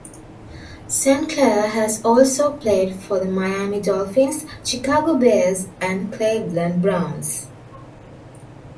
Saint Clair has also played for the Miami Dolphins, Chicago Bears, and Cleveland Browns.